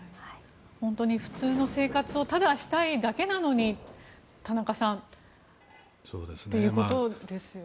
本当に、普通の生活をただしたいだけなのに田中さんということですよね。